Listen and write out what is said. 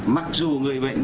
mặc dù người bệnh